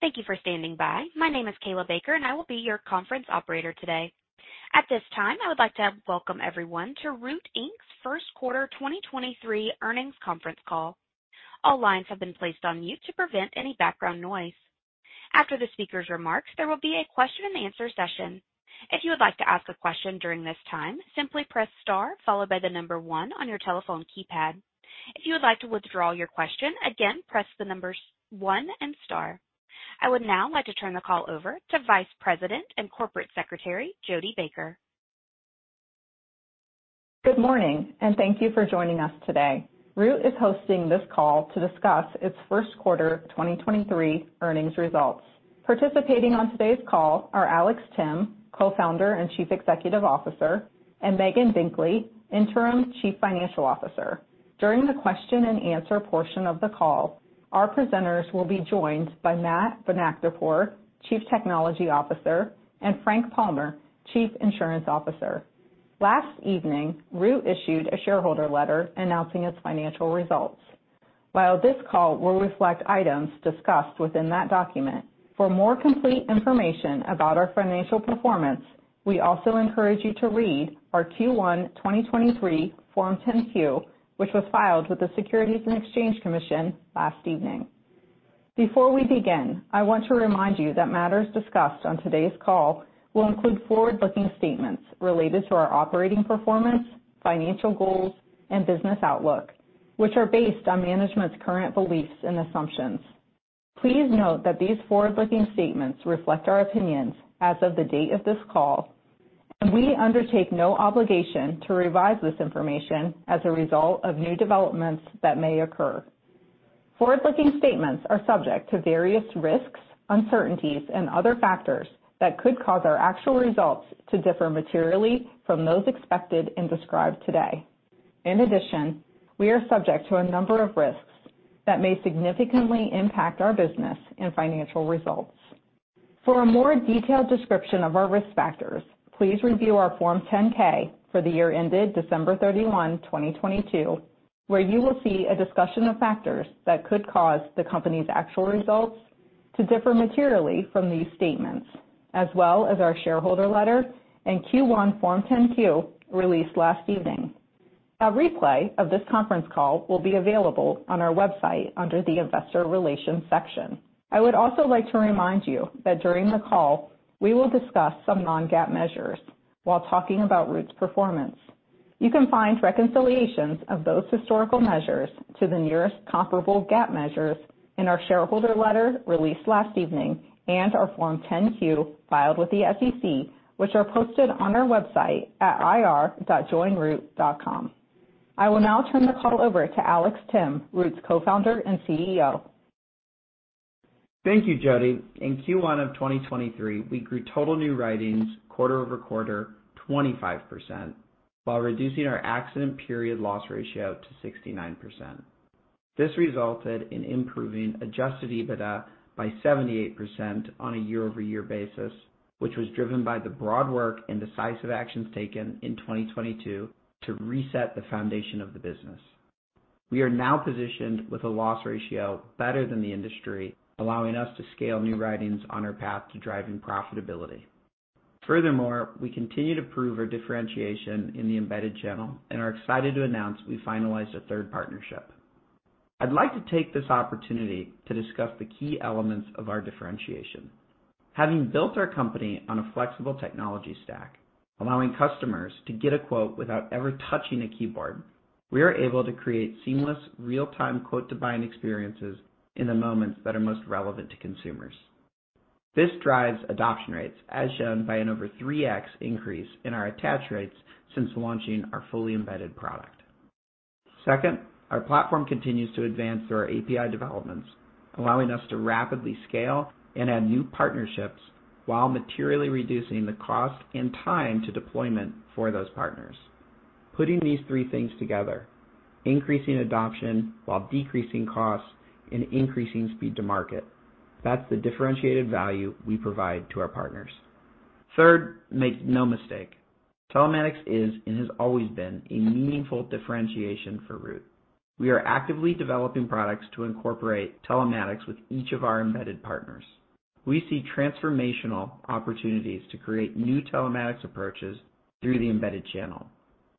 Thank you for standing by. My name is Kayla Baker, and I will be your conference operator today. At this time, I would like to welcome everyone to Root, Inc.'s First Quarter 2023 Earnings Conference CCall. All lines have been placed on mute to prevent any background noise. After the speaker's remarks, there will be a question and answer session. If you would like to ask a question during this time, simply press star followed by the number one on your telephone keypad. If you would like to withdraw your question, again, press the numbers one and star. I would now like to turn the call over to Vice President and Corporate Secretary, Jodi Baker. Good morning, thank you for joining us today. Root is hosting this call to discuss its first quarter 2023 earnings results. Participating on today's call are Alex Timm, Co-founder and Chief Executive Officer, and Megan Binkley, Interim Chief Financial Officer. During the question and answer portion of the call, our presenters will be joined by Matt Bonakdarpour, Chief Technology Officer, and Frank Palmer, Chief Insurance Officer. Last evening, Root issued a shareholder letter announcing its financial results. While this call will reflect items discussed within that document, for more complete information about our financial performance, we also encourage you to read our Q1 2023 Form 10-Q, which was filed with the Securities and Exchange Commission last evening. Before we begin, I want to remind you that matters discussed on today's call will include forward-looking statements related to our operating performance, financial goals, and business outlook, which are based on management's current beliefs and assumptions. Please note that these forward-looking statements reflect our opinions as of the date of this call, and we undertake no obligation to revise this information as a result of new developments that may occur. Forward-looking statements are subject to various risks, uncertainties, and other factors that could cause our actual results to differ materially from those expected and described today. In addition, we are subject to a number of risks that may significantly impact our business and financial results. For a more detailed description of our risk factors, please review our Form 10-K for the year ended December 31, 2022, where you will see a discussion of factors that could cause the company's actual results to differ materially from these statements, as well as our shareholder letter and Q1 Form 10-Q released last evening. A replay of this conference call will be available on our website under the Investor Relations section. I would also like to remind you that during the call, we will discuss some non-GAAP measures while talking about Root's performance. You can find reconciliations of those historical measures to the nearest comparable GAAP measures in our shareholder letter released last evening and our Form 10-Q filed with the SEC, which are posted on our website at ir.joinroot.com. I will now turn the call over to Alex Timm, Root's Co-founder and CEO. Thank you, Jodi. In Q1 of 2023, we grew total new writings quarter-over-quarter 25% while reducing our accident year loss ratio to 69%. This resulted in improving Adjusted EBITDA by 78% on a year-over-year basis, which was driven by the broad work and decisive actions taken in 2022 to reset the foundation of the business. We are now positioned with a loss ratio better than the industry, allowing us to scale new writings on our path to driving profitability. Furthermore, we continue to prove our differentiation in the embedded channel and are excited to announce we finalized a third partnership. I'd like to take this opportunity to discuss the key elements of our differentiation. Having built our company on a flexible technology stack, allowing customers to get a quote without ever touching a keyboard, we are able to create seamless real-time quote-to-buying experiences in the moments that are most relevant to consumers. This drives adoption rates, as shown by an over 3x increase in our attach rates since launching our fully embedded product. Second, our platform continues to advance through our API developments, allowing us to rapidly scale and add new partnerships while materially reducing the cost and time to deployment for those partners. Putting these three things together, increasing adoption while decreasing costs and increasing speed to market, that's the differentiated value we provide to our partners. Third, make no mistake, telematics is and has always been a meaningful differentiation for Root. We are actively developing products to incorporate telematics with each of our embedded partners. We see transformational opportunities to create new telematics approaches through the embedded channel.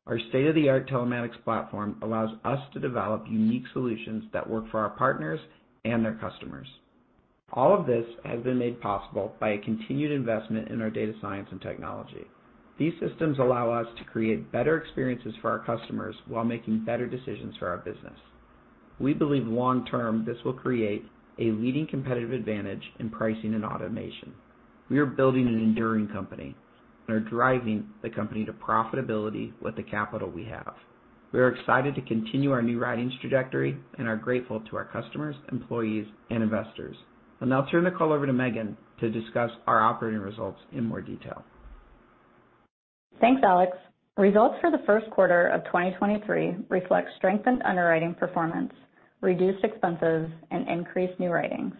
Our state-of-the-art telematics platform allows us to develop unique solutions that work for our partners and their customers. All of this has been made possible by a continued investment in our data science and technology. These systems allow us to create better experiences for our customers while making better decisions for our business. We believe long term, this will create a leading competitive advantage in pricing and automation. We are building an enduring company and are driving the company to profitability with the capital we have. We are excited to continue our new writings trajectory and are grateful to our customers, employees, and investors. I'll now turn the call over to Megan to discuss our operating results in more detail. Thanks, Alex. Results for the first quarter of 2023 reflect strengthened underwriting performance, reduced expenses, and increased new writing.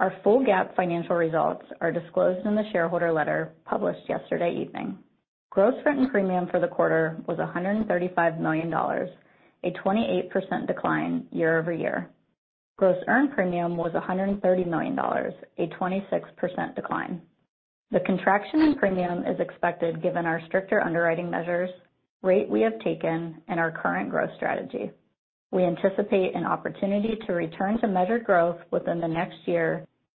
Our full GAAP financial results are disclosed in the shareholder letter published yesterday evening. Gross written premium for the quarter was $135 million, a 28% decline year-over-year. Gross earned premium was $130 million, a 26% decline. The contraction in premium is expected given our stricter underwriting measures rate we have taken and our current growth strategy. We anticipate an opportunity to return to measured growth within the next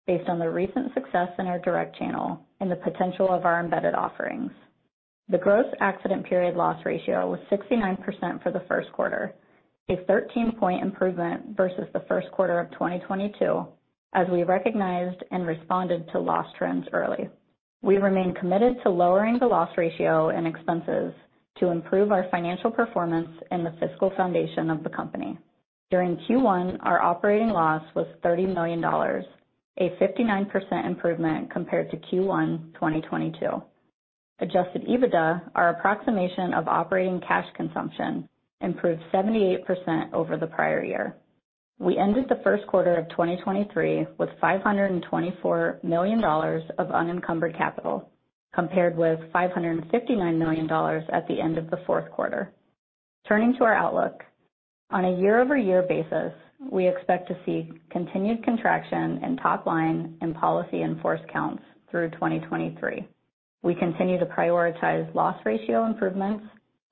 year based on the recent success in our direct channel and the potential of our embedded offerings. The gross accident period loss ratio was 69% for the first quarter, a 13-point improvement versus the first quarter of 2022, as we recognized and responded to loss trends early. We remain committed to lowering the loss ratio and expenses to improve our financial performance and the fiscal foundation of the company. During Q1, our operating loss was $30 million, a 59% improvement compared to Q1, 2022. Adjusted EBITDA, our approximation of operating cash consumption, improved 78% over the prior year. We ended the first quarter of 2023 with $524 million of unencumbered capital compared with $559 million at the end of the fourth quarter. Turning to our outlook. On a year-over-year basis, we expect to see continued contraction in top line and policies in-force counts through 2023. We continue to prioritize loss ratio improvements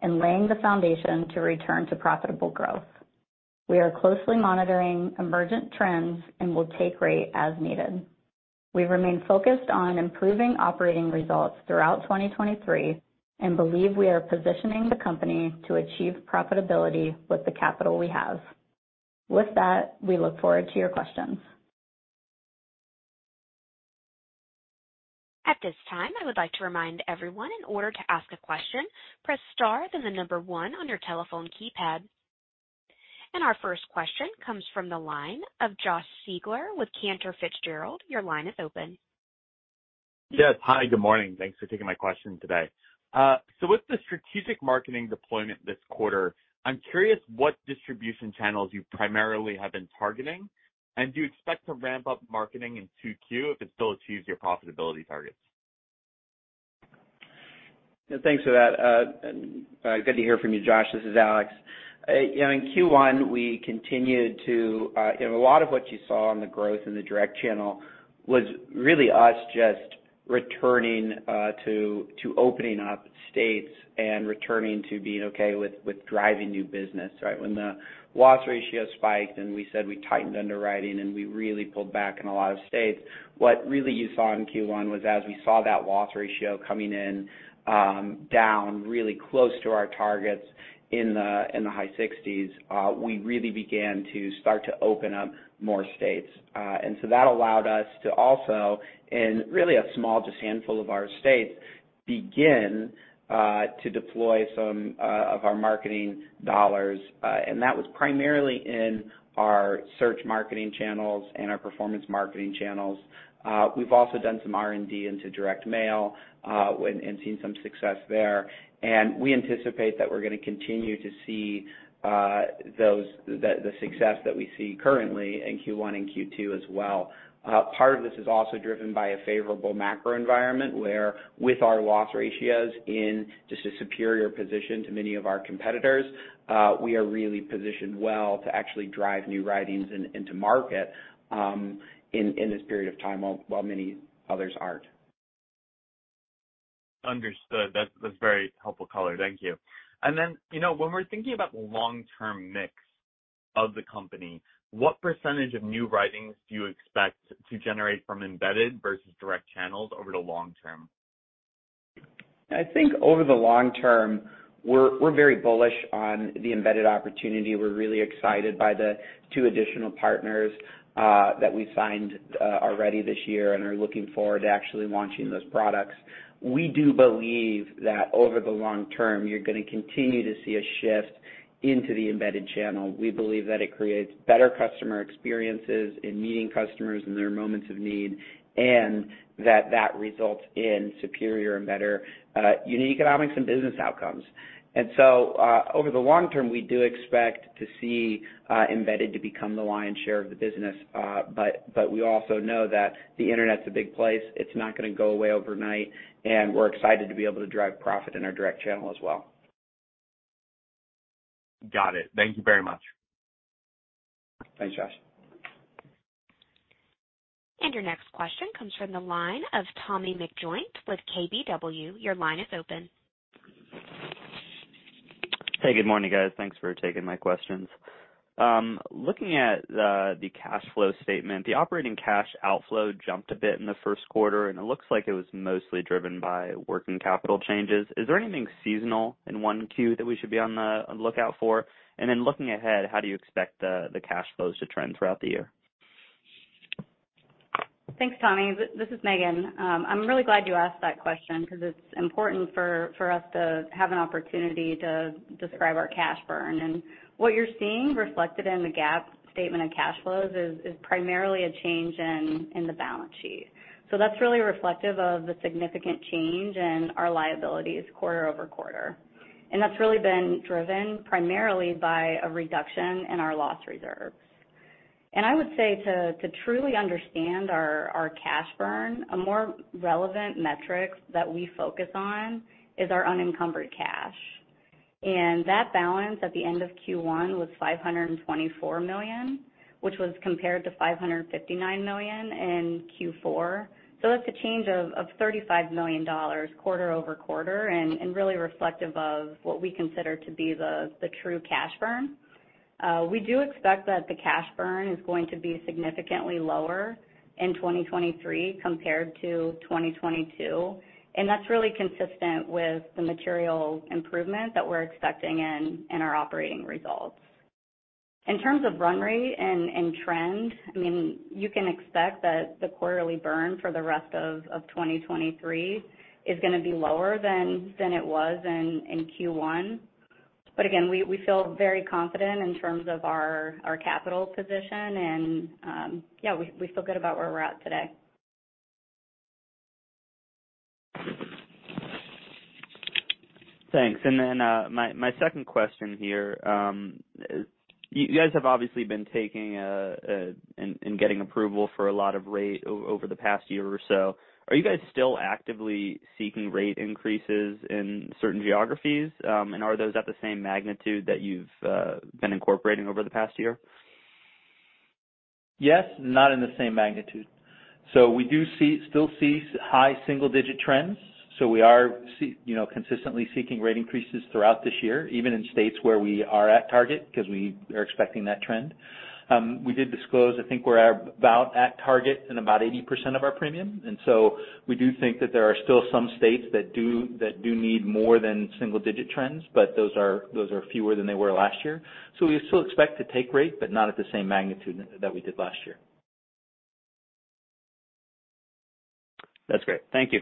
and laying the foundation to return to profitable growth. We are closely monitoring emergent trends and will take rate as needed. We remain focused on improving operating results throughout 2023 and believe we are positioning the company to achieve profitability with the capital we have. With that, we look forward to your questions. At this time, I would like to remind everyone in order to ask a question, press star, then the number one on your telephone keypad. Our first question comes from the line of Josh Siegler with Cantor Fitzgerald. Your line is open. Yes. Hi, good morning. Thanks for taking my question today. With the strategic marketing deployment this quarter, I'm curious what distribution channels you primarily have been targeting, and do you expect to ramp up marketing in Q2 if it still achieves your profitability targets? Thanks for that. Good to hear from you, Josh. This is Alex. You know, in Q1, we continued to, you know, a lot of what you saw on the growth in the direct channel was really us just returning to opening up states and returning to being okay with driving new business, right? When the loss ratio spiked and we said we tightened underwriting and we really pulled back in a lot of states. What really you saw in Q1 was as we saw that loss ratio coming in, down really close to our targets in the high 60s, we really began to start to open up more states. That allowed us to also, in really a small, just handful of our states, begin to deploy some of our marketing dollars. That was primarily in our search marketing channels and our performance marketing channels. We've also done some R&D into direct mail, and seen some success there. We anticipate that we're gonna continue to see the success that we see currently in Q1 and Q2 as well. Part of this is also driven by a favorable macro environment, where with our loss ratios in just a superior position to many of our competitors, we are really positioned well to actually drive new writings into market in this period of time, while many others aren't. Understood. That's very helpful color. Thank you. Then, you know, when we're thinking about the long-term mix of the company, what percent of new writings do you expect to generate from embedded versus direct channels over the long term? I think over the long term, we're very bullish on the embedded opportunity. We're really excited by the two additional partners that we signed already this year and are looking forward to actually launching those products. We do believe that over the long term, you're gonna continue to see a shift into the embedded channel. We believe that it creates better customer experiences in meeting customers in their moments of need, and that that results in superior and better unit economics and business outcomes. Over the long term, we do expect to see embedded to become the lion's share of the business. We also know that the Internet is a big place. It's not gonna go away overnight, and we're excited to be able to drive profit in our direct channel as well. Got it. Thank you very much. Thanks, Josh. Your next question comes from the line of Thomas McJoynt-Griffith with KBW. Your line is open. Hey, good morning, guys. Thanks for taking my questions. Looking at the cash flow statement, the operating cash outflow jumped a bit in the first quarter, and it looks like it was mostly driven by working capital changes. Is there anything seasonal in 1Q that we should be on the lookout for? Looking ahead, how do you expect the cash flows to trend throughout the year? Thanks, Tommy. This is Megan. I'm really glad you asked that question because it's important for us to have an opportunity to describe our cash burn. What you're seeing reflected in the GAAP statement of cash flows is primarily a change in the balance sheet. That's really reflective of the significant change in our liabilities quarter-over-quarter. That's really been driven primarily by a reduction in our loss reserves. I would say to truly understand our cash burn, a more relevant metric that we focus on is our unencumbered cash. That balance at the end of Q1 was $524 million, which was compared to $559 million in Q4. That's a change of $35 million quarter-over-quarter, and really reflective of what we consider to be the true cash burn. We do expect that the cash burn is going to be significantly lower in 2023 compared to 2022, and that's really consistent with the material improvement that we're expecting in our operating results. In terms of run rate and trend, I mean, you can expect that the quarterly burn for the rest of 2023 is gonna be lower than it was in Q1. Again, we feel very confident in terms of our capital position and, yeah, we feel good about where we're at today. Thanks. My second question here. You guys have obviously been taking, and getting approval for a lot of rate over the past year or so. Are you guys still actively seeking rate increases in certain geographies? Are those at the same magnitude that you've been incorporating over the past year? Yes, not in the same magnitude. We still see high single-digit trends, we are you know, consistently seeking rate increases throughout this year, even in states where we are at target because we are expecting that trend. We did disclose, I think we're at about at target in about 80% of our premium, we do think that there are still some states that do need more than single digit trends, but those are fewer than they were last year. We still expect to take rate, but not at the same magnitude that we did last year. That's great. Thank you.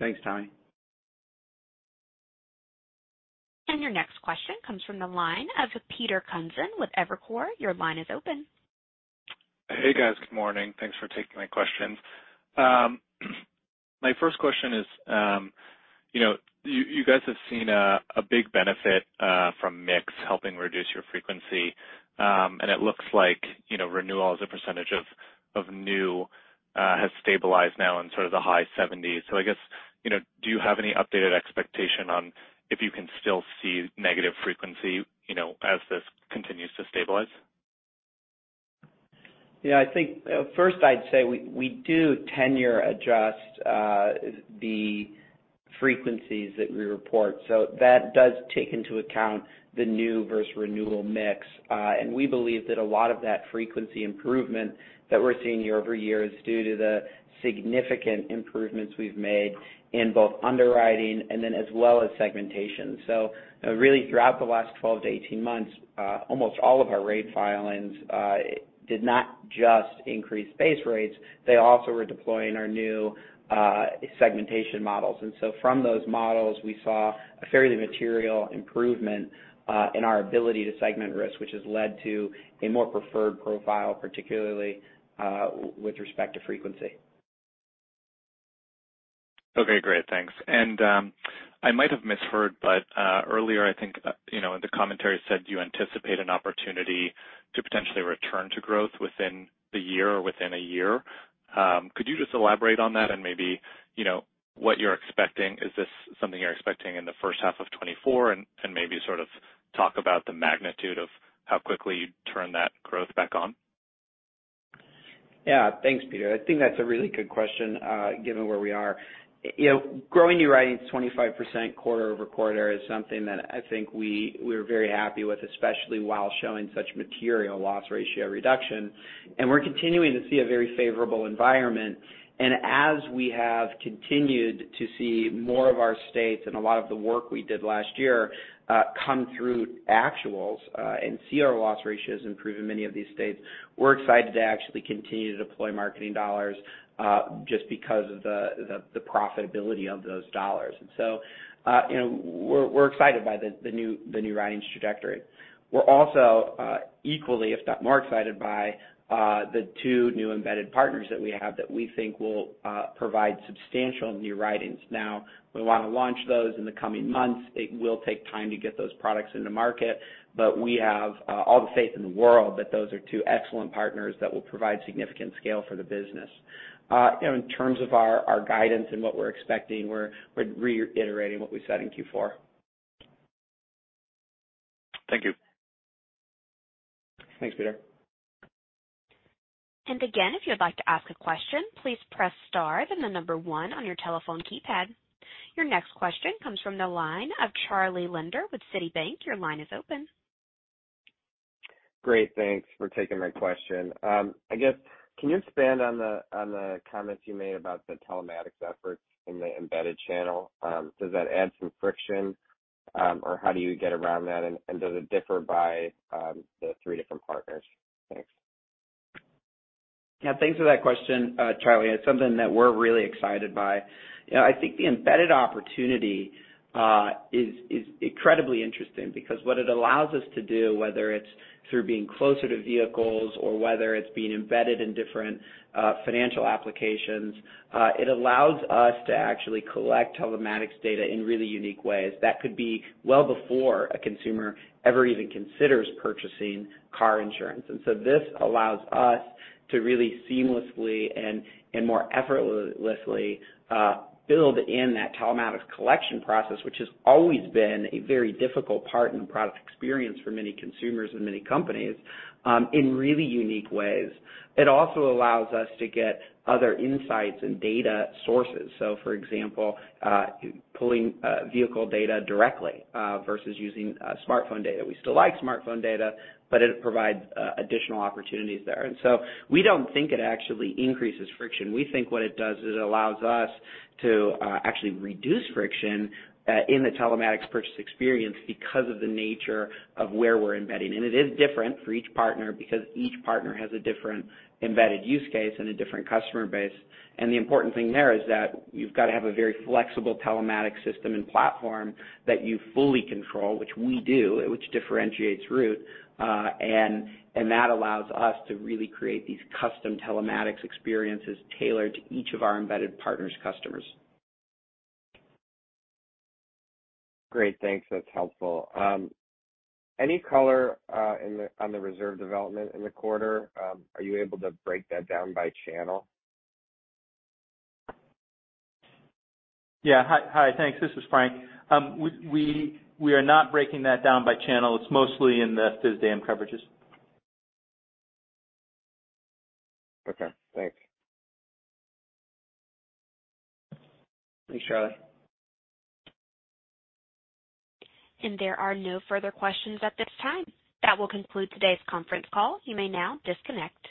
Thanks, Tommy. Your next question comes from the line of David Motemaden with Evercore. Your line is open. Hey, guys. Good morning. Thanks for taking my questions. My first question is, you know, you guys have seen a big benefit from mix helping reduce your frequency. It looks like, you know, renewal as a percentage of new has stabilized now in sort of the high 70s. I guess, you know, do you have any updated expectation on if you can still see negative frequency, you know, as this continues to stabilize? Yeah, I think first I'd say we do tenure adjust the frequencies that we report. That does take into account the new versus renewal mix. We believe that a lot of that frequency improvement that we're seeing year-over-year is due to the significant improvements we've made in both underwriting and then as well as segmentation. You know, really throughout the last 12 to 18 months, almost all of our rate filings did not just increase base rates, they also were deploying our new segmentation models. From those models, we saw a fairly material improvement in our ability to segment risk, which has led to a more preferred profile, particularly with respect to frequency. Okay, great. Thanks. I might have misheard, but earlier, I think, you know, in the commentary said you anticipate an opportunity to potentially return to growth within the year or within a year. Could you just elaborate on that and maybe, you know, what you're expecting? Is this something you're expecting in the first half of 2024? Maybe sort of talk about the magnitude of how quickly you'd turn that growth back on. Yeah. Thanks, Peter. I think that's a really good question, given where we are. You know, growing new writings 25% quarter-over-quarter is something that I think we're very happy with, especially while showing such material loss ratio reduction. We're continuing to see a very favorable environment. As we have continued to see more of our states and a lot of the work we did last year, come through actuals, and see our loss ratios improve in many of these states, we're excited to actually continue to deploy marketing dollars, just because of the profitability of those dollars. You know, we're excited by the new writings trajectory. We're also equally, if not more excited by the two new embedded partners that we have that we think will provide substantial new writings. We want to launch those in the coming months. It will take time to get those products into market, but we have all the faith in the world that those are two excellent partners that will provide significant scale for the business. you know, in terms of our guidance and what we're expecting, we're reiterating what we said in Q4. Thank you. Thanks, David. Again, if you'd like to ask a question, please press star then one on your telephone keypad. Your next question comes from the line of Charlie Lederer with Citibank. Your line is open. Great. Thanks for taking my question. I guess, can you expand on the comments you made about the telematics efforts in the embedded channel? Does that add some friction, or how do you get around that? Does it differ by the three different partners? Thanks. Yeah, thanks for that question, Charlie. It's something that we're really excited by. You know, I think the embedded opportunity is incredibly interesting because what it allows us to do, whether it's through being closer to vehicles or whether it's being embedded in different financial applications, it allows us to actually collect telematics data in really unique ways that could be well before a consumer ever even considers purchasing car insurance. This allows us to really seamlessly and more effortlessly build in that telematics collection process, which has always been a very difficult part in the product experience for many consumers and many companies in really unique ways. It also allows us to get other insights and data sources. For example, pulling vehicle data directly versus using smartphone data. We still like smartphone data, it provides additional opportunities there. We don't think it actually increases friction. We think what it does is it allows us to actually reduce friction in the telematics purchase experience because of the nature of where we're embedding. It is different for each partner because each partner has a different embedded use case and a different customer base. The important thing there is that you've got to have a very flexible telematic system and platform that you fully control, which we do, which differentiates Root. That allows us to really create these custom telematics experiences tailored to each of our embedded partners' customers. Great. Thanks. That's helpful. Any color on the reserve development in the quarter? Are you able to break that down by channel? Yeah. Hi. Hi. Thanks. This is Frank. We are not breaking that down by channel. It's mostly in the Physical Damage coverages. Okay, thanks. Thanks, Charlie. There are no further questions at this time. That will conclude today's conference call. You may now disconnect.